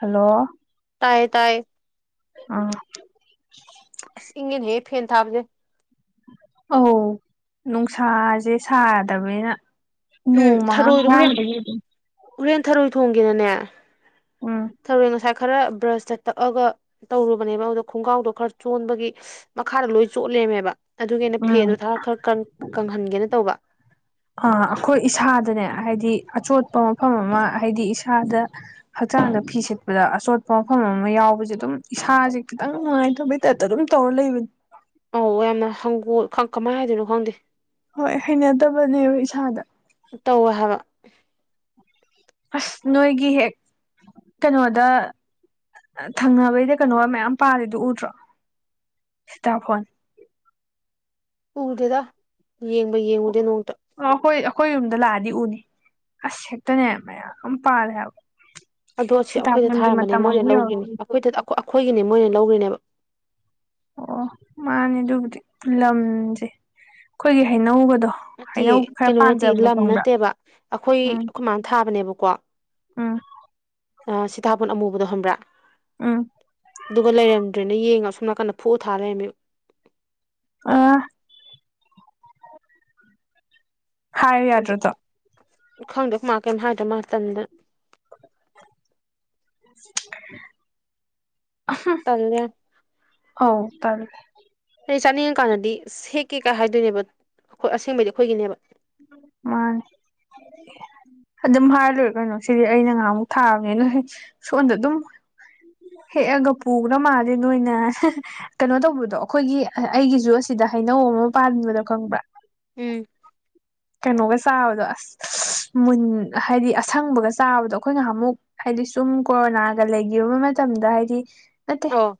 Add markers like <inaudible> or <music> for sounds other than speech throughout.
hello ꯇꯥꯏ ꯇꯥꯏ ꯑꯥ ꯑꯁ ꯏꯪꯉꯅ ꯍꯦ ꯐꯦꯟ ꯊꯥꯕꯁꯦ ꯑꯧ ꯅꯨꯡꯁꯥꯁꯦ ꯁꯥꯗꯕꯅꯤꯅ ꯅꯣꯡ ꯃꯉꯥ ꯃꯉꯥ ꯑꯗꯨ ꯎꯣꯔꯦꯟ ꯊꯔꯣꯏ ꯊꯣꯡꯒꯦꯅꯅꯦ ꯎꯝ ꯊꯧꯔꯦꯟ ꯉꯁꯥꯏ ꯈꯔ ꯕ꯭ꯔꯁꯇ ꯇꯛꯑꯒ ꯇꯧꯔꯨꯕꯅꯦꯕ ꯑꯗꯨꯗꯣ ꯈꯣꯡꯒ꯭ꯔꯥꯎꯗꯣ ꯈꯔ ꯆꯣꯟꯕꯒꯤ ꯃꯈꯥꯗ ꯂꯣꯏ ꯆꯣꯠꯂꯦꯃꯦꯕ ꯑꯗꯨꯒꯤꯩꯅ ꯎꯝ ꯐꯦꯟꯗꯣ ꯊꯔ ꯈꯔ ꯀꯪꯍꯟꯒꯦꯅ ꯇꯧꯕ <inaudible> ꯑ ꯑꯩꯈꯣꯏ ꯏꯁꯥꯗꯅꯦ ꯍꯥꯏꯗꯤ ꯑꯆꯣꯠꯄ ꯃꯐꯝ ꯑꯃ ꯍꯥꯏꯗꯤ ꯏꯁꯥꯗ ꯍꯛꯆꯥꯡꯗ ꯐꯤ ꯁꯤꯦꯠꯄꯗ ꯑꯆꯣꯠꯄ ꯃꯐꯝ ꯑꯃ ꯌꯥꯎꯕꯁꯦ ꯑꯗꯨꯝ ꯏꯁꯥꯁꯦ ꯈꯤꯇꯪ ꯅꯨꯡꯉꯥꯏꯇꯕ ꯑꯗꯨꯝ ꯇꯧꯔ ꯂꯩꯕ ꯑꯧ ꯌꯥꯝꯅ ꯍꯪꯒꯣ ꯀꯃꯥꯏ ꯍꯥꯏꯗꯣꯏꯅꯣ ꯈꯪꯗꯦ ꯍꯣꯏ ꯍꯩꯅꯗꯕꯅꯦꯕ ꯏꯁꯥꯗ ꯇꯧꯋꯦ ꯍꯥꯏꯕ ꯑꯁ ꯅꯣꯏꯒꯤ ꯍꯦꯛ ꯀꯩꯅꯣꯗ ꯊꯪꯅꯕꯩꯗ ꯀꯩꯅꯣꯒ ꯃꯌꯥꯝ ꯄꯥꯔꯤꯦꯗꯨꯣ ꯎꯗ꯭ꯔꯣ ꯁ꯭ꯇꯥꯐꯣꯟ ꯎꯔꯗꯦꯗ ꯌꯦꯡꯕ ꯌꯦꯡꯉꯨꯗꯦ ꯅꯣꯡꯇ ꯑ ꯑꯈꯣꯏ ꯑꯈꯣꯏ ꯌꯨꯝꯗ ꯂꯥꯛꯑꯗꯤ ꯎꯅꯤ ꯑꯁ ꯍꯦꯛꯇꯅꯦ ꯃꯌꯥꯝ ꯄꯥꯜꯂꯦ ꯍꯥꯏꯕ ꯑꯗꯣ ꯑꯁꯤ ꯑꯈꯣꯏꯗ ꯁꯤꯇꯥꯕꯣꯟꯒꯤ ꯊꯥꯔꯝꯕꯅꯦ ꯃꯇꯝ ꯃꯣꯏꯅ ꯑꯃꯨꯛ ꯂꯧꯒ꯭ꯔꯤꯅꯦ ꯌꯧꯔꯛꯄꯅꯤ ꯑꯈꯣꯏꯗ ꯑꯈꯣꯏ ꯑꯈꯣꯏꯒꯤꯅꯦ ꯃꯣꯏꯅ ꯂꯧꯒ꯭ꯔꯤꯅꯦꯕ ꯑꯣ ꯃꯥꯟꯅꯦ ꯑꯗꯨꯕꯨꯗꯤ ꯂꯝꯁꯦ ꯈꯣꯏꯒꯤ ꯍꯩꯅꯧꯒꯗꯣ ꯅꯠꯇꯦ ꯍꯩꯅꯧ ꯈꯔ ꯀꯩꯅꯣ ꯅꯠꯇꯦ ꯄꯥꯟꯖꯕꯗꯣ ꯂꯝ ꯈꯪꯕ꯭ꯔꯥ ꯅꯠꯇꯦꯕ ꯑꯈꯣꯏ ꯎꯝ ꯑꯈꯣꯏꯃꯥꯅ ꯊꯥꯕꯅꯦꯕꯀꯣ ꯎꯝ ꯁꯤꯇꯥꯕꯣꯟ ꯑꯃꯨꯕꯗꯣ ꯈꯪꯕ꯭ꯔꯥ ꯎꯝ ꯑꯗꯨꯒ ꯂꯩꯔꯝꯗ꯭ꯔꯦꯅ ꯌꯦꯡꯉ ꯑꯁꯣꯝ ꯅꯥꯀꯟꯗ ꯐꯨꯜ ꯊꯥꯔꯦꯃꯤ ꯑꯥ ꯈꯥꯏ ꯌꯥꯗ ꯑꯗꯣ ꯇ ꯈꯪꯗꯦ ꯃꯥ ꯀꯩꯣ ꯍꯥꯏꯗꯣ ꯃꯇꯝꯗ <unintelligible> ꯇꯂꯦ ꯍꯧ ꯐꯔꯃꯦ ꯑꯩ ꯆꯥꯅꯤꯡꯉꯀꯥꯟꯗꯗꯤ ꯁꯦꯛꯀꯦ ꯀꯥꯏ ꯍꯥꯏꯗꯣꯏꯅꯦꯕ ꯑꯩꯈꯣꯏ ꯑꯁꯦꯡꯕꯗꯤ ꯑꯩꯈꯣꯏꯒꯤꯅꯦꯕ ꯃꯥ ꯑꯗꯨꯝ ꯍꯥꯏꯔ ꯂꯣꯏꯔꯦ ꯀꯩꯅꯣ ꯁꯤꯗꯤ ꯑꯩꯅ ꯉꯍꯥꯃꯨꯛ ꯊꯥꯕꯅꯤ ꯅ ꯍ ꯁꯣꯝꯗ ꯑꯗꯨꯝ ꯍꯦꯛꯑꯒ ꯄꯨꯈ꯭ꯔ ꯃꯥꯜꯂꯤ ꯅꯣꯏꯅ ꯀꯩꯅꯣ ꯇꯧꯕꯗꯣ ꯑꯈꯣꯏꯒꯤ ꯑꯩꯒꯤꯁꯨ ꯑꯁꯤꯗ ꯍꯩꯅꯧ ꯑꯃ ꯄꯥꯟꯕꯗꯣ ꯈꯪꯕ꯭ꯔꯥ ꯎꯝ ꯀꯩꯅꯣꯒ ꯆꯥꯕꯗꯣ ꯑꯁ ꯃꯨꯟ ꯍꯥꯏꯗꯤ ꯑꯁꯪꯕꯒ ꯆꯥꯕꯗꯣ ꯑꯈꯣꯏ ꯉꯍꯥꯃꯨꯛ ꯍꯥꯏꯗꯤ ꯁꯨꯝ ꯀꯣꯔꯣꯅꯥꯒ ꯂꯩꯒꯤꯕ ꯇꯝꯗ ꯍꯥꯏꯗꯤ ꯅꯠꯇꯦ ꯑꯣ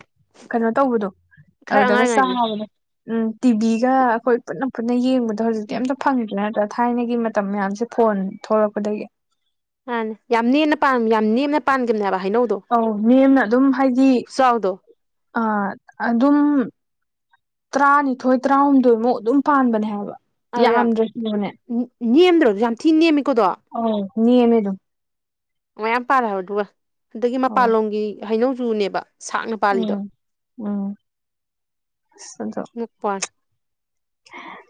ꯀꯩꯅꯣ ꯇꯧꯕꯗꯣ ꯈꯔ ꯑꯗꯨꯗꯒ ꯑꯉꯥꯡ ꯑꯣꯏꯔꯤꯉꯥꯏꯗꯅꯦ ꯆꯥꯕꯗꯣ ꯎꯝ ꯇꯤꯚꯤꯒ ꯑꯈꯣꯏ ꯄꯨꯟꯅ ꯄꯨꯟꯅ ꯌꯦꯡꯕꯗꯣ ꯍꯧꯖꯤꯛꯇꯤ ꯎꯝ ꯑꯝꯇ ꯐꯪꯗ꯭ꯔꯦ ꯅꯠꯇ꯭ꯔꯥ ꯊꯥꯏꯅꯒꯤ ꯃꯇꯝ ꯃꯌꯥꯝꯁꯦ ꯐꯣꯟ ꯊꯣꯛꯂꯛꯄꯗꯒꯤ ꯃꯥꯟꯅꯦ ꯌꯥꯝ ꯅꯦꯝꯅ ꯄꯥꯟ ꯌꯥꯝ ꯅꯦꯝꯅ ꯄꯥꯟꯈꯤꯕꯅꯦꯕ ꯍꯩꯅꯧꯗꯣ ꯑꯧ ꯅꯦꯝꯅ ꯑꯗꯨꯝ ꯍꯥꯏꯗꯤ ꯈꯨꯆꯥꯎꯗꯣ ꯑ ꯑꯗꯨꯝ ꯇꯔꯥꯅꯤꯊꯣꯏ ꯇꯔꯥꯍꯨꯝꯗꯣꯏꯃꯨꯛ ꯑꯗꯨꯝ ꯄꯥꯟꯕꯅꯦ ꯍꯥꯏꯕ ꯑ ꯌꯥꯝ ꯌꯥꯝꯗ꯭ꯔꯁꯨꯅꯦ ꯅꯦꯝꯗ꯭ꯔꯣ ꯌꯥꯝ ꯊꯤꯅ ꯅꯦꯝꯃꯤꯀꯣꯗꯣ ꯑꯧ ꯅꯦꯝꯃꯦ ꯑꯗꯨꯝ ꯃꯌꯥꯝ ꯄꯥꯜꯂꯦ ꯍꯥꯏꯕ ꯑꯗꯨꯒ ꯑꯗꯒꯤ ꯑꯧ ꯃꯄꯥꯟꯂꯣꯝꯒꯤ ꯍꯩꯅꯧꯖꯨꯅꯦꯕ ꯁꯥꯡꯅ ꯄꯥꯜꯂꯤꯗꯣ ꯎꯝ ꯎꯝ <unintelligible> <unintelligible>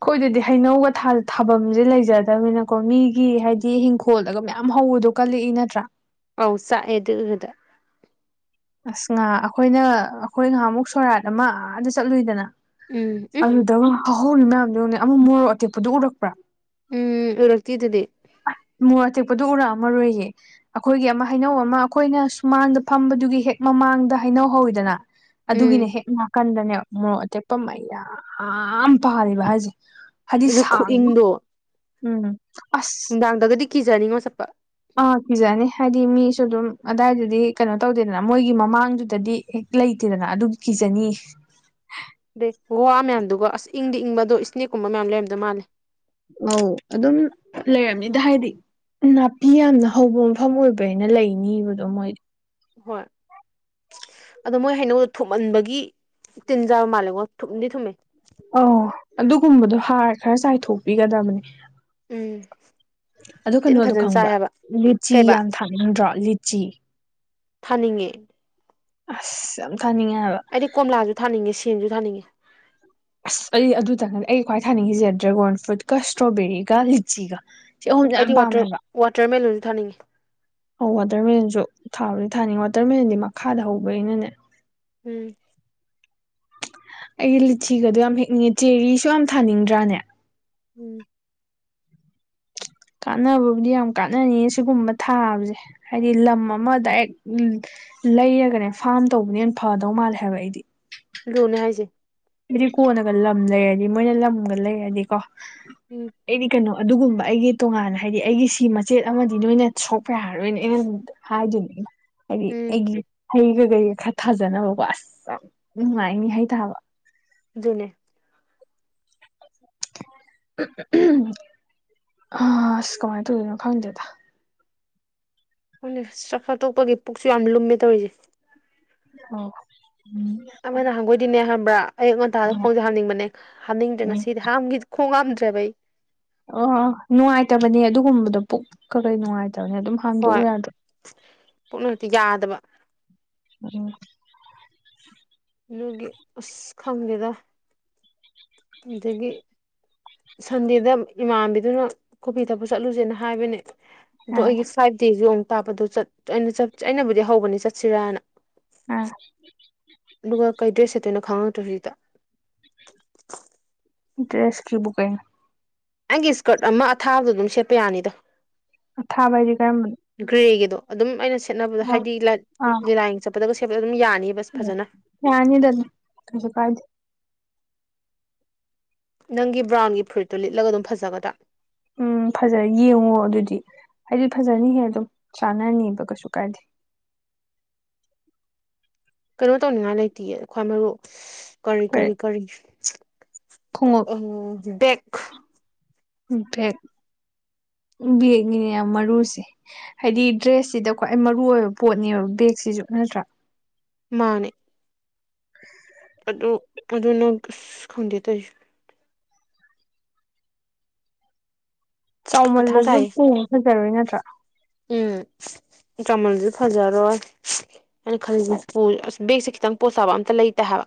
ꯈꯣꯏꯗꯗꯤ ꯍꯩꯅꯧꯒ ꯊꯥ ꯊꯥꯕꯝꯁꯦ ꯂꯩꯖꯗꯕꯅꯤꯅꯀꯣ ꯃꯤꯒꯤ ꯍꯥꯏꯗꯤ ꯏꯡꯈꯣꯜꯗꯒ ꯃꯌꯥꯝ ꯍꯧꯕꯗꯣ ꯀꯂꯛꯏ ꯅꯠꯇ꯭ꯔꯥ ꯑꯧ ꯆꯥꯛꯑꯦ ꯗꯨ ꯎꯕꯗ ꯑꯁ ꯉꯍꯥ ꯑꯈꯣꯏꯅ ꯑꯈꯣꯏ ꯉꯍꯥꯃꯨꯛ ꯁꯣꯔꯥꯠ ꯑꯃ ꯑꯥꯗ ꯆꯠꯂꯨꯏꯗꯅ ꯎꯝ ꯎꯝ ꯑꯗꯨ ꯇ ꯍꯧꯍꯧꯔꯤ ꯃꯌꯥꯝꯗꯨ ꯌꯦꯡꯎꯅꯦ ꯑꯃ ꯃꯣꯔꯣꯛ ꯑꯇꯦꯛꯄꯗꯨ ꯎꯔꯛꯄ꯭ꯔꯥ ꯎꯝ ꯎꯔꯛꯇꯦꯗꯨꯗꯤ ꯑꯥ ꯃꯣꯔꯣꯛ ꯑꯇꯦꯛꯄꯗꯨ ꯎꯔꯛꯑꯝꯃꯔꯣꯏꯌꯦ ꯑꯈꯣꯏꯒꯤ ꯑꯃ ꯍꯩꯅꯧ ꯑꯃ ꯑꯈꯣꯏꯅ ꯁꯨꯃꯥꯡꯗ ꯐꯝꯕꯗꯨꯒꯤ ꯍꯦꯛ ꯃꯃꯥꯡꯗ ꯍꯩꯅꯧ ꯍꯧꯋꯤꯗꯅ ꯎꯝ ꯑꯗꯨꯒꯤꯅꯦ ꯍꯦꯛ ꯅꯥꯀꯟꯗꯅꯦ ꯃꯣꯔꯣꯛ ꯑꯇꯦꯛꯄ ꯃꯩꯌꯥꯝ ꯄꯥꯜꯂꯤꯕ ꯍꯥꯏꯁꯦ ꯍꯥꯏꯗꯤ ꯑꯗꯨ ꯁꯥꯡꯕ ꯈꯨꯏꯪꯗꯣ ꯎꯝ ꯑꯁ ꯗꯒꯗꯤ ꯀꯤꯖꯅꯤꯡꯉꯣ ꯆꯠꯄ ꯑꯥ ꯀꯤꯖꯅꯤ ꯍꯥꯏꯗꯤ ꯃꯤꯁꯨ ꯑꯗꯨꯝ ꯑꯗꯥꯏꯗꯨꯗꯤ ꯀꯩꯅꯣ ꯇꯧꯗꯦꯗꯅ ꯃꯣꯏꯒꯤ ꯃꯃꯥꯡꯗꯨꯗꯗꯤ ꯍꯦꯛ ꯂꯩꯇꯦꯗꯅ ꯑꯗꯨꯝ ꯀꯤꯖꯅꯤ ꯑꯗꯩ ꯋꯥ ꯃꯌꯥꯝꯗꯨꯒ ꯑꯁ ꯏꯪꯗꯤ ꯏꯪꯕ ꯑꯗꯣ ꯏꯁꯅꯦꯛꯀꯨꯝꯕ ꯃꯌꯥꯝ ꯂꯩꯔꯝꯗꯧ ꯃꯥꯜꯂꯦ ꯑꯧ ꯑꯗꯨꯝ ꯂꯩꯔꯝꯅꯤꯗ ꯍꯥꯏꯗꯤ ꯅꯥꯄꯤ ꯌꯥꯝꯅ ꯍꯧꯕ ꯃꯐꯝ ꯑꯣꯏꯕꯅꯤꯅ ꯂꯩꯅꯤꯕ ꯑꯗꯣ ꯃꯣꯏꯗꯤ ꯍꯣꯏ ꯑꯗꯣ ꯃꯣꯏ ꯍꯩꯅꯧꯗ ꯊꯨꯝꯃꯟꯕꯒꯤ ꯇꯤꯟꯖꯥꯕ ꯃꯥꯜꯂꯦꯉꯣ ꯊꯨꯝꯗꯤ ꯊꯨꯝꯃꯦ ꯑꯧ ꯑꯗꯨꯒꯨꯝꯕꯗꯣ ꯍꯥꯔ ꯈꯔ ꯆꯥꯏꯊꯣꯛꯄꯤꯒꯗꯕꯅꯦ ꯎꯝ ꯑꯗꯨ ꯇꯤꯟ ꯀꯩꯅꯣꯗꯣ ꯐꯖꯅ ꯆꯥꯏ ꯈꯪꯕ꯭ꯔꯥ ꯍꯥꯏꯕ ꯂꯤꯆꯤ ꯀꯩꯕꯥ ꯌꯥꯝ ꯊꯥꯅꯤꯡꯗ꯭ꯔꯣ ꯂꯤꯆꯤ ꯊꯥꯅꯤꯡꯉꯦ ꯑꯁ ꯌꯥꯝ ꯇꯥꯅꯤꯡꯉꯦ ꯍꯥꯢꯕ ꯑꯩꯗꯤ ꯀꯣꯝꯂꯥꯖꯨ ꯊꯥꯅꯤꯡꯉꯦ ꯁꯦꯝꯖꯨ ꯊꯥꯅꯤꯡꯉꯦ ꯑꯁ ꯑꯩ ꯑꯗꯨꯇꯪꯗꯤ ꯑꯩ ꯈ꯭ꯋꯥꯏ ꯊꯥꯅꯤꯡꯉꯤꯁꯦ ꯗ꯭ꯔꯦꯒꯣꯟ ꯐ꯭ꯔꯨꯠꯀ ꯏꯁꯇ꯭ꯔꯣꯕꯦꯔꯤꯒ ꯂꯤꯆꯤꯒ ꯁꯤ ꯑꯍꯨꯝꯁꯦ ꯌꯥꯝ ꯑꯩꯗꯤ ꯄꯥꯝꯃꯦ ꯋꯥꯇꯔ ꯍꯥꯏꯕ ꯋꯥꯇꯔ ꯃꯦꯂꯣꯟꯁꯨ ꯊꯥꯅꯤꯡꯉꯦ ꯑꯧ ꯋꯥꯇꯔ ꯃꯦꯂꯣꯟꯁꯨ ꯊꯥꯕꯨꯗꯤ ꯊꯥꯅꯤꯡꯉꯤ ꯋꯥꯇꯔ ꯃꯦꯂꯣꯟꯗꯤ ꯃꯈꯥꯗ ꯍꯧꯕꯅꯤꯅꯅꯦ ꯎꯝ ꯑꯩꯗꯤ ꯂꯤꯆꯤꯒꯗꯣ ꯌꯥꯝ ꯍꯦꯛꯅꯤꯡꯉꯦ ꯆꯦꯔꯤꯁꯨ ꯌꯥꯝ ꯊꯥꯅꯤꯡꯗ꯭ꯔꯥꯅꯦ ꯎꯝ ꯀꯥꯟꯅꯕꯕꯨꯗꯤ ꯌꯥꯝ ꯀꯥꯟꯅꯅꯤꯌꯦ ꯁꯤꯒꯨꯝꯕ ꯊꯥꯕꯁꯦ ꯍꯥꯏꯗꯤ ꯂꯝ ꯑꯃ ꯗꯥꯏꯔꯦꯛ ꯂꯩꯔꯒꯅꯦ ꯐꯥꯝ ꯇꯧꯕꯅꯦ ꯍꯦꯟ ꯐꯗꯧ ꯃꯥꯜꯂꯦ ꯍꯥꯏꯕ ꯑꯩꯗꯤ ꯂꯨꯅꯦ ꯍꯥꯏꯖꯦ ꯍꯥꯏꯗꯤ ꯀꯣꯟꯅꯒ ꯂꯝ ꯂꯩꯔꯗꯤ ꯃꯣꯏꯅ ꯂꯝꯒ ꯂꯩꯔꯗꯤ ꯀꯣ ꯎꯝ ꯑꯩꯗꯤ ꯀꯩꯅꯣ ꯑꯗꯨꯒꯨꯝꯕ ꯑꯩꯒꯤ ꯇꯣꯉꯥꯟꯅ ꯍꯥꯏꯗꯤ ꯑꯩꯒꯤ ꯁꯤ ꯃꯆꯦꯠ ꯑꯃꯗꯤ ꯅꯣꯏꯅ ꯁꯣꯛꯄ ꯌꯥꯔꯔꯣꯏꯅ ꯑꯩꯅ ꯍꯥꯏꯗꯣꯢꯅꯦ ꯑꯩꯅ ꯍꯥꯏꯗꯤ ꯎꯝ ꯑꯩꯒꯤ ꯍꯩ ꯒꯒꯩꯒ ꯈꯔ ꯊꯥꯖꯅꯕꯀꯣ ꯑꯁ ꯌꯥꯝ ꯅꯨꯡꯉꯥꯏꯅꯤ ꯍꯩ ꯊꯥꯕ ꯑꯗꯨꯅꯦ <inaudible> ꯑꯁ ꯀꯃꯥꯏ ꯇꯧꯗꯣꯢꯅꯣ ꯈꯪꯗꯦꯗ ꯈꯪꯗꯦ ꯆꯥꯛ ꯆꯥ ꯇꯣꯛꯄꯒꯤ ꯄꯨꯛꯁꯨ ꯌꯥꯝ ꯂꯨꯝꯃꯦ ꯇꯧꯔꯤꯖꯦ ꯑꯣ ꯎꯝ ꯑꯃ ꯅꯍꯥꯟ ꯒꯣꯏꯗꯤꯅꯦ ꯈꯪꯕ꯭ꯔꯥ ꯑꯌꯨꯛ ꯉꯟꯇꯥꯗ ꯈꯣꯡꯖꯦ ꯍꯥꯥꯝꯅꯤꯡꯕꯅꯦ ꯍꯥꯝꯅꯤꯡꯗ꯭ꯔꯦ ꯎꯝ ꯉꯁꯤꯗꯤ ꯍꯥꯝꯒꯤ ꯈꯣꯡ ꯍꯥꯝꯗ꯭ꯔꯦꯕ ꯑꯩ ꯑꯣ ꯅꯨꯡꯉꯥꯏꯇꯕꯅꯦ ꯑꯗꯨꯒꯨꯝꯕꯗꯣ ꯄꯨꯛ ꯀꯀꯩ ꯅꯨꯡꯉꯥꯏꯇꯕꯅꯦ ꯑꯗꯨꯝ ꯍꯥꯝꯗꯣꯛꯎ ꯌꯥꯗ꯭ꯔꯣ ꯄꯨꯛ ꯅꯠꯇꯦ ꯌꯥꯗꯕ <inaudible> ꯑꯗꯩꯒꯤ ꯑꯁ ꯈꯪꯗꯦꯗ ꯑꯗꯒꯤ ꯁꯟꯗꯦꯗ ꯏꯃꯥꯟꯕꯤꯗꯨꯅ ꯀꯣꯐꯤ ꯊꯛꯄ ꯆꯠꯂꯨꯖꯦꯅ ꯍꯥꯏꯕꯅꯦ ꯑꯗꯣ ꯑꯥ ꯑꯩꯒꯤ ꯐꯥꯏꯚ ꯗꯦꯖꯨ ꯑꯃꯨꯛ ꯇꯥꯞꯄꯗꯣ ꯆꯠ ꯑꯩꯅ ꯑꯩꯅꯕꯨꯗꯤ ꯍꯧꯕꯅꯤ ꯆꯠꯁꯤꯔꯥꯅ ꯑꯥ ꯑꯗꯨꯒ ꯀꯩ ꯗ꯭ꯔꯦꯁ ꯆꯦꯠꯇꯣꯏꯅꯣ <unintelligible> ꯗ꯭ꯔꯦꯁ ꯀꯤꯕꯨ ꯀꯩꯅꯣ ꯑꯩꯒꯤ ꯁꯀꯔꯠ ꯑꯃ ꯑꯊꯥꯕꯗꯣ ꯑꯗꯨꯝ ꯁꯦꯠꯄ ꯌꯥꯅꯤꯗ ꯑꯊꯥꯕ ꯍꯥꯏꯗꯤ ꯀꯔꯝꯕꯅꯣ ꯒ꯭ꯔꯦꯒꯤꯗꯣ ꯑꯗꯨꯝ ꯑꯩꯅ ꯁꯦꯠꯅꯕꯗꯣ ꯍꯥꯏꯗꯤ ꯑꯣ ꯂꯤꯂꯥ ꯌꯦꯡ ꯆꯞ ꯄꯗꯒ ꯁꯦꯠꯄꯗꯣ ꯑꯗꯨꯝ ꯌꯥꯅꯤꯕ ꯑꯥ ꯐꯖꯟꯅ ꯌꯥꯅꯤꯗ ꯑꯗꯨꯝ ꯀꯩꯁꯨ ꯀꯥꯢꯗꯦ ꯅꯪꯒꯤ ꯕ꯭ꯔꯥꯎꯟꯒꯤ ꯐ꯭ꯔꯨꯤꯠꯇꯣ ꯂꯤꯠꯂꯒ ꯑꯗꯨꯝ ꯐꯖꯒꯗ꯭ꯔꯥ ꯎꯝ ꯐꯖ ꯌꯦꯡꯉꯣ ꯑꯗꯨꯗꯤ ꯍꯥꯏꯗꯤ ꯐꯖꯅꯤꯍꯦ ꯑꯗꯨꯝ ꯆꯥꯟꯅꯅꯤꯕ ꯀꯩꯁꯨ ꯀꯥꯏꯗꯦ ꯀꯩꯅꯣ ꯇꯧꯅꯤꯡꯉꯥꯏ ꯂꯩꯇꯤꯌꯦ ꯈ꯭ꯋꯥꯏ ꯃꯔꯨ ꯀꯔꯤ ꯀꯔꯤ ꯀꯔꯤ ꯈꯣꯡꯉꯨꯞ ꯎꯝ ꯕꯦꯛ ꯕꯦꯛ ꯕꯦꯒꯅꯤꯅꯦ ꯌꯥꯝ ꯃꯔꯨꯁꯦ ꯍꯥꯏꯗꯤ ꯗ꯭ꯔꯦꯁꯁꯤꯗ ꯈ꯭ꯋꯥꯏ ꯃꯔꯨ ꯑꯣꯏꯕ ꯄꯣꯠꯅꯦꯕ ꯕꯦꯛꯁꯤꯁꯨ ꯅꯠꯇ꯭ꯔꯥ ꯃꯥꯅꯦ ꯑꯗꯨ ꯑꯗꯨ ꯅꯪ ꯑꯁ ꯈꯪꯗꯦ ꯇꯧꯔꯤꯁꯦ ꯃꯊꯥ ꯆꯥꯎꯃꯜꯂꯁꯨ ꯁꯥꯏꯌꯦ ꯄꯨ ꯐꯖꯔꯣꯏ ꯅꯠꯇ꯭ꯔꯥ ꯎꯝ ꯆꯥꯎꯃꯜꯂꯁꯨ ꯐꯖꯔꯣꯏ ꯑꯩꯅ ꯈꯜꯂꯤꯁꯦ ꯑꯁ ꯕꯦꯛꯁꯦ ꯈꯤꯇꯪ ꯄꯣꯁ ꯇꯥꯕ ꯑ ꯑꯝꯇ ꯂꯩꯇꯦ ꯍꯥꯏꯕ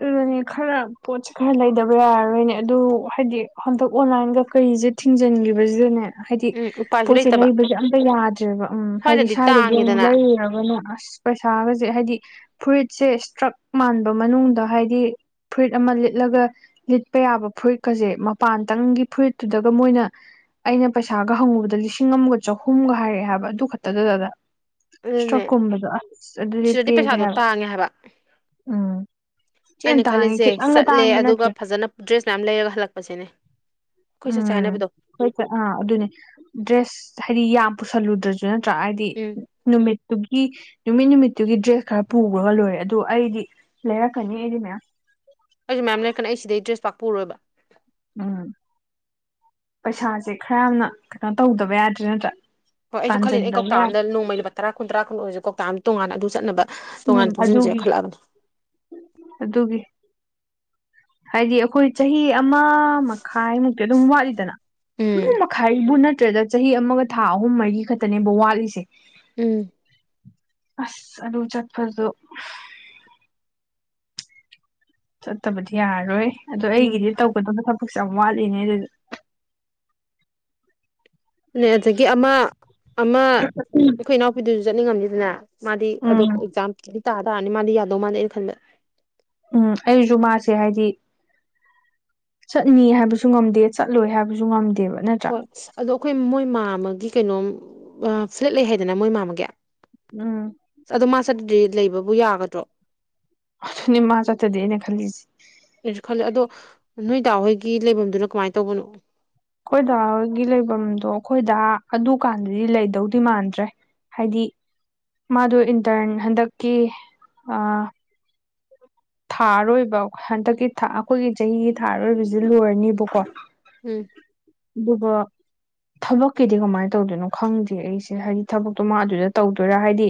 ꯑꯗꯨꯅꯦ ꯈꯔ ꯄꯣꯠꯁꯦ ꯈꯔ ꯂꯩꯗꯕ ꯌꯥꯔꯔꯣꯏꯅꯦ ꯑꯗꯨ ꯍꯥꯏꯗꯤ ꯍꯟꯗꯛ ꯑꯣꯟꯂꯥꯏꯟꯒ ꯀꯔꯤꯁꯦ ꯊꯤꯡꯖꯤꯟꯈꯤꯕꯁꯤꯗꯅꯦ ꯍꯥꯏꯗꯤ ꯎꯝ ꯎꯄꯥꯏꯁꯨ ꯄꯣꯠꯁꯦ ꯂꯩꯇꯕ ꯂꯩꯕꯁꯦ ꯑꯝꯇ ꯌꯥꯗ꯭ꯔꯦꯕ ꯎꯝ ꯍꯥꯏꯗꯤ ꯁ꯭ꯋꯥꯏꯗꯗꯤ ꯁ꯭ꯋꯥꯏꯗꯒꯤ ꯑꯃꯨꯛ ꯇꯥꯡꯉꯦꯗꯅ ꯂꯩꯔꯨꯔꯒꯅꯦ ꯑꯁ ꯄꯩꯁꯥꯒꯁꯦ ꯍꯥꯏꯗꯤ ꯐꯨꯔꯤꯠꯁꯦ ꯁꯇ꯭ꯔꯛ ꯃꯥꯟꯕ ꯃꯅꯨꯡꯗ ꯍꯥꯏꯗꯤ ꯐꯨꯔꯤꯠ ꯑꯃ ꯂꯤꯠꯂꯒ ꯂꯤꯠꯄ ꯌꯥꯕ ꯐꯨꯔꯤꯠꯀꯖꯦ ꯃꯄꯥꯟꯇꯪꯒꯤ ꯐꯨꯔꯤꯠꯇꯨꯗꯒ ꯃꯣꯏꯅ ꯑꯩꯅ ꯄꯩꯁꯥꯒ ꯍꯪꯉꯨꯕꯗ ꯂꯤꯁꯤꯡ ꯑꯃꯒ ꯆꯍꯨꯝꯒ ꯍꯥꯏꯔꯛꯑꯦ ꯍꯥꯏꯕ ꯑꯗꯨ ꯈꯛꯇꯗꯗꯗ ꯁꯇ꯭ꯔꯛ ꯑꯗꯨꯅꯦ ꯀꯨꯝꯕꯗꯣ ꯑꯁ ꯑꯗꯨꯗꯤ ꯁꯤꯗꯗꯤ ꯄꯦꯜꯂꯦ ꯄꯩꯁꯥꯗꯣ ꯍꯥꯏꯕ ꯇꯥꯡꯉꯦ ꯎꯝ ꯊꯤꯅ ꯑꯩꯅ ꯇꯥꯡꯉꯦ ꯈꯜꯂꯤꯁꯥꯖꯦ ꯈꯤꯇꯪꯒ ꯆꯠꯂꯦ ꯇꯥꯡꯕ ꯅꯠꯇ꯭ꯔꯦ ꯑꯗꯨꯒ ꯐꯖꯟꯅ ꯗ꯭ꯔꯦꯁ ꯃꯌꯥꯝ ꯂꯩꯔꯒ ꯍꯜꯂꯛꯄꯁꯤꯅꯦ ꯑꯩꯈꯣꯏ ꯆꯠꯁꯦ ꯎꯝ ꯍꯥꯢꯅꯕꯗꯣ ꯑꯥ ꯑꯗꯨꯅꯦ ꯗ꯭ꯔꯦꯁ ꯍꯥꯏꯗꯤ ꯌꯥꯝ ꯄꯨꯁꯜꯂꯨꯗ꯭ꯔꯁꯨ ꯅꯠꯇ꯭ꯔꯥ ꯍꯥꯏꯗꯤ ꯎꯝ ꯅꯨꯃꯤꯠꯇꯨꯒꯤ ꯅꯨꯃꯤꯠ ꯅꯨꯃꯤꯠꯇꯨꯒꯤ ꯗ꯭ꯔꯦꯁ ꯈꯔ ꯄꯨꯈ꯭ꯔꯒ ꯂꯣꯏꯔꯦ ꯑꯗꯣ ꯑꯩꯗꯤ ꯂꯩꯔꯛꯒꯅꯤ ꯑꯩꯗꯤ ꯃꯌꯥꯝ ꯑꯩꯗꯤ ꯃꯌꯥꯝ ꯂꯩꯔꯛꯀꯅꯤ ꯑꯩ ꯁꯤꯗꯩꯩ ꯗ꯭ꯔꯦꯁ ꯄꯛꯅ ꯄꯨꯔꯣꯏꯕ ꯎꯝ ꯄꯩꯁꯥꯁꯦ ꯈꯔ ꯌꯥꯝꯅ ꯀꯩꯅꯣ ꯇꯧꯗꯕ ꯌꯥꯗ꯭ꯔꯦ ꯅꯠꯇ꯭ꯔꯥ ꯍꯣꯏ ꯑꯩꯁꯨ ꯈꯜꯂꯤꯅꯦ ꯀꯧꯇꯥ ꯇꯥꯟꯁꯤꯟꯗꯕ ꯑꯃꯗ ꯌꯥꯗ꯭ꯔꯦ ꯅꯣꯡꯃꯩ ꯂꯨꯄꯥ ꯇꯔꯥ ꯒꯨꯟ ꯑꯣꯢꯔꯁꯨ ꯀꯧꯇꯥ ꯑꯃ ꯇꯣꯉꯥꯟ ꯑꯗꯨ ꯆꯠꯅꯕ ꯎꯝ ꯇꯣꯉꯥꯟ ꯇꯨꯡꯁꯤꯟꯁꯦ ꯑꯗꯨꯒꯤ ꯈꯜꯂꯛꯑꯕꯅꯦ ꯑꯗꯨꯒꯤ ꯍꯥꯏꯗꯤ ꯑꯩꯈꯣꯏ ꯆꯍꯤ ꯑꯃ ꯃꯈꯥꯏꯃꯨꯛꯇꯤ ꯑꯗꯨꯝ ꯋꯥꯠꯂꯤꯗꯅ ꯆꯍꯤ ꯎꯝ ꯑꯃ ꯃꯈꯥꯏꯕꯨ ꯅꯠꯇ꯭ꯔꯦꯗ ꯆꯍꯤ ꯑꯃꯒ ꯊꯥ ꯑꯍꯨꯝ ꯃꯔꯤ ꯈꯛꯇꯅꯦꯕ ꯋꯥꯠꯂꯤꯁꯦ ꯎꯝ ꯑꯁ ꯑꯗꯨ ꯆꯠꯕꯗꯨ ꯆꯠꯇꯕꯗꯤ ꯌꯥꯔꯔꯣꯏ ꯑꯗꯣ ꯎꯝ ꯑꯩꯒꯤꯗꯤ ꯇꯧꯒꯗꯕ ꯊꯕꯛꯁꯦ ꯌꯥꯝ ꯋꯥꯠꯂꯤꯅꯦ ꯑꯗꯨ ꯅꯦ ꯑꯗꯒꯤ ꯑꯃ ꯑꯃ ꯑꯩꯈꯣꯏ ꯏꯅꯥꯎꯄꯤꯗꯨꯁꯨ ꯆꯠꯅꯤꯡꯉꯝꯅꯤꯗꯅ ꯃꯥꯗꯤ ꯎꯝ ꯑꯗꯣ ꯑꯦꯛꯖꯥꯝꯗꯤ ꯇꯥ ꯇꯥꯔꯅꯤ ꯃꯥꯗꯤ ꯌꯥꯗꯧ ꯃꯥꯜꯗꯦ ꯑꯩꯅ ꯈꯟꯕꯗ ꯎꯝ ꯑꯩꯁꯨ ꯃꯥꯁꯦ ꯍꯥꯏꯗꯤ ꯆꯠꯅꯤ ꯍꯥꯏꯕꯁꯨ ꯉꯝꯗꯦ ꯆꯠꯂꯣꯏ ꯍꯥꯏꯕꯁꯨ ꯉꯝꯗꯦꯕ ꯅꯠꯇ ꯍꯣꯏ ꯑꯗꯣ ꯑꯩꯈꯣꯏ ꯃꯣꯏ ꯃꯥ ꯑꯃꯒꯤ ꯀꯩꯅꯣꯝ ꯐ꯭ꯂꯦꯠ ꯂꯩ ꯍꯥꯏꯗꯅ ꯃꯣꯏ ꯃꯥꯃꯒ ꯎꯝ ꯑꯗꯣ ꯃꯥ ꯆꯠꯇ꯭ꯔꯗꯤ ꯂꯩꯕꯕꯨ ꯌꯥꯒꯗ꯭ꯔꯣ ꯑꯗꯨꯅꯤ ꯃꯥ ꯆꯠꯇ꯭ꯔꯗꯤ ꯑꯩꯅ ꯈꯜꯂꯤꯁꯦ ꯑꯩꯁꯨ ꯈꯜꯂꯦ ꯑꯗꯣ ꯅꯣꯏꯗꯥ ꯍꯣꯏꯒꯤ ꯂꯩꯐꯝꯗꯨꯅ ꯀꯃꯥꯏꯅ ꯇꯧꯕꯅꯣ ꯑꯩꯈꯣꯏꯗꯥꯒꯤ ꯂꯩꯐꯝꯗꯣ ꯑꯩꯈꯣꯏꯗ ꯑꯗꯨꯀꯥꯟꯗꯗꯤ ꯂꯩꯗꯧꯗꯤ ꯃꯥꯟꯗ꯭ꯔꯦ ꯍꯥꯏꯗꯤ ꯃꯥꯗꯣ ꯏꯟꯇꯔꯟ ꯍꯟꯗꯛꯀꯤ ꯑ ꯊꯥ ꯑꯔꯣꯏꯕ ꯍꯟꯗꯛꯀꯤ ꯑꯩꯈꯣꯏꯒꯤ ꯆꯍꯤꯒꯤ ꯊꯥ ꯑꯔꯣꯏꯕꯁꯤ ꯂꯣꯏꯔꯅꯤꯕꯀꯣ ꯎꯝ ꯑꯗꯨꯒ ꯊꯕꯛꯀꯤꯗꯤ ꯀꯃꯥꯏꯅ ꯇꯧꯗꯣꯏꯅꯣ ꯈꯪꯗ꯭ꯦ ꯑꯩꯁꯦ ꯍꯥꯏꯗꯤ ꯊꯕꯛꯇꯣ ꯃꯥ ꯑꯗꯨꯗ ꯇꯧꯗꯣꯏꯔꯥ ꯍꯥꯏꯗꯤ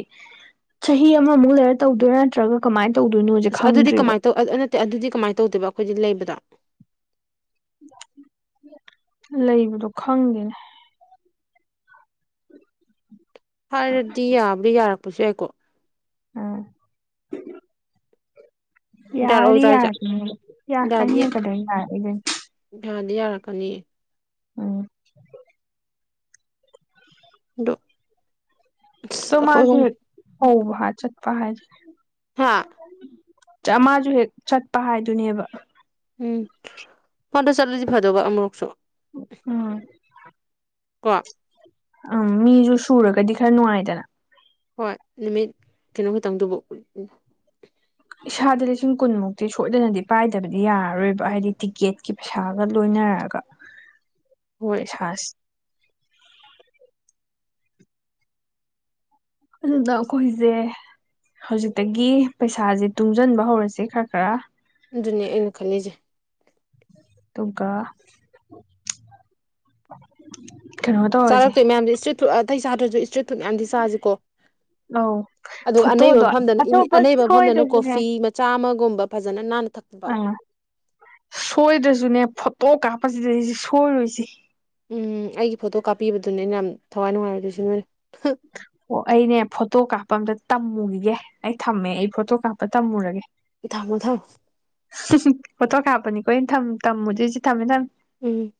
ꯆꯍꯤ ꯑꯃꯃꯨꯛ ꯂꯩꯔ ꯇꯧꯗꯣꯏꯔ ꯅꯠꯇ꯭ꯔꯒ ꯀꯃꯥꯏꯅ ꯇꯧꯗꯣꯏꯅꯣ ꯑꯁ ꯑꯗꯨꯗꯤ ꯀꯃꯥꯏꯅ ꯇꯧ ꯅꯠꯇꯦ ꯑꯗꯨꯗꯤ ꯀꯃꯥꯏꯅ ꯇꯧꯗꯦꯕ ꯑꯩꯈꯣꯏꯗꯤ ꯂꯩꯕꯗꯣ ꯂꯩꯕꯗꯣ ꯈꯪꯗꯦꯅꯦ ꯍꯥꯏꯔꯗꯤ ꯌꯥꯕꯁꯨ ꯌꯥꯔꯛꯄ ꯌꯥꯏꯀꯣ ꯑꯥ ꯌꯥꯗꯤ ꯌꯥꯔꯛꯑꯣꯏꯗ꯭ꯔꯥ ꯍꯥꯏꯁꯦ ꯌꯥꯔꯛꯒꯅꯤ ꯌꯥꯗꯤ ꯌꯥꯔꯛꯒꯅꯤꯍꯦ ꯀꯩꯗꯧꯕꯩ ꯌꯥꯔꯛꯑꯣꯢꯗꯨꯏꯅꯣ ꯌꯥꯗꯤ ꯌꯥꯔꯛꯀꯅꯤ ꯎꯝ ꯗꯨ ꯇꯣ ꯃꯥꯁꯦ ꯍꯧ ꯍꯥ ꯆꯠꯄ ꯍꯥꯏꯗꯨꯅꯦ ꯍꯥ ꯆꯥꯃꯥꯖꯨ ꯍꯦꯛ ꯆꯠꯄ ꯍꯥꯏꯗꯨꯅꯦꯕ ꯎꯝ ꯐꯟꯗ ꯆꯠꯂꯖꯤ ꯐꯗꯧꯕ ꯑꯃꯨꯨꯔꯛꯁꯨ ꯎꯝ ꯄ ꯎꯝ ꯃꯤꯖꯨ ꯁꯨꯔꯒꯗꯤ ꯈꯔ ꯅꯨꯡꯉꯥꯏꯗꯅ ꯍꯣꯏ ꯅꯨꯃꯤꯠ ꯀꯤꯅꯣ ꯈꯇꯪꯗꯨꯕꯨ ꯏꯁꯥꯗ ꯂꯤꯁꯤꯡ ꯀꯨꯟꯃꯨꯛꯇꯤ ꯁꯣꯏꯗꯅꯗꯤ ꯄꯥꯏꯗꯕꯗꯤ ꯌꯥꯔꯔꯣꯏꯕ ꯍꯥꯏꯗꯤ ꯇꯤꯛꯀꯦꯠꯀꯤ ꯄꯩꯁꯥꯒ ꯂꯣꯏꯅꯔꯒ ꯍꯣꯏ ꯄꯩꯁꯥꯁꯤ ꯑꯗꯨꯅ ꯑꯩꯈꯣꯏꯁꯦ ꯍꯧꯖꯤꯛꯇꯒꯤ ꯄꯩꯁꯥꯁꯦ ꯇꯨꯡꯁꯤꯟꯕ ꯍꯧꯔꯁꯦ ꯈꯔ ꯈꯔ ꯑꯗꯨꯅꯦ ꯑꯩꯅ ꯈꯜꯂꯤꯁꯦ ꯑꯗꯨꯒ ꯀꯩꯅꯣ ꯇꯧꯔꯁꯦ ꯆꯥꯔꯛꯇꯣꯏ ꯃꯌꯥꯝꯁꯦ ꯏꯁꯇ꯭ꯔꯤꯠ ꯐꯨꯠ ꯑꯇꯩ ꯆꯥꯗ꯭ꯔꯁꯨ ꯏꯁꯇ꯭ꯔꯤꯠ ꯐꯨꯠ ꯃꯌꯥꯝꯗꯤ ꯆꯁꯤꯀꯣ ꯑꯧ ꯑꯗꯨꯒ ꯑꯅꯩꯕ ꯐꯣꯇꯣꯗꯣ ꯃꯐꯝꯗꯅ ꯑꯇꯣꯞꯄ ꯑꯅꯩꯕ ꯃꯐꯝꯗꯅ ꯁꯣꯏꯗꯁꯨꯅꯦ ꯀꯣꯐꯤ ꯆꯥꯝꯃꯒꯨꯝꯕ ꯐꯖꯅ ꯅꯥꯟꯅ ꯊꯛ ꯑꯥ ꯁꯣꯏꯗ꯭ꯔꯁꯨꯅꯦ ꯐꯣꯇꯣ ꯀꯥꯞꯄꯁꯤꯗꯩꯁꯤ ꯁꯣꯏꯔꯣꯏꯁꯤ ꯎꯝ ꯑꯩꯒꯤ ꯐꯣꯇꯣ ꯀꯥꯞꯄꯤꯕꯗꯨꯅꯦ ꯑꯩꯅ ꯌꯥꯝ ꯊꯋꯥꯏ ꯅꯨꯡꯉꯥꯏꯔꯣꯏꯗꯣꯏꯁꯨ ꯅꯣꯏꯅ ꯍꯥ ꯑꯣ ꯑꯩꯅꯦ ꯐꯣꯇꯣ ꯀꯥꯞꯄ ꯑꯝꯇ ꯇꯝꯃꯨꯒꯤꯒꯦ ꯑꯩ ꯊꯝꯃꯦ ꯑꯩ ꯐꯣꯇꯣ ꯀꯥꯞꯄ ꯇꯝꯃꯨꯔꯒꯦ ꯏ ꯊ ꯃꯣ ꯊꯧ <unintelligible> ꯐꯣꯇꯣ ꯀꯥꯞꯄꯅꯤ ꯀꯣ ꯑꯩ ꯊꯝ ꯇꯝꯃꯨꯗꯣꯏꯁꯦ ꯊꯝꯃꯦ ꯊꯝ ꯎꯝ